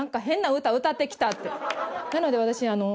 なので私